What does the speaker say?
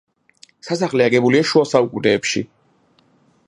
სასახლე აგებულია შუა საუკუნეებში.